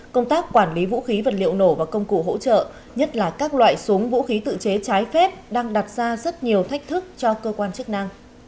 công tác quản lý vũ khí vật liệu nổ và công cụ hỗ trợ nhất là các loại súng vũ khí tự chế trái phép đang đặt ra rất nhiều thách thức cho cơ quan chức năng